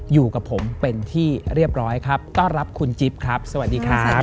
อยู่กับผมเป็นที่เรียบร้อยครับต้อนรับคุณจิ๊บครับสวัสดีครับ